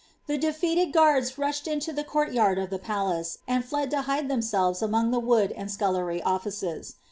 The defeated gnaidi mabed into the conrl jrard of the palace, and fled to hide themaelvea amoqg the wood and acullery officea.